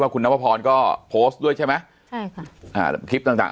ว่าคุณนัวพรพรก็โพสต์ด้วยใช่ไหมใช่ค่ะอ่าคลิปต่าง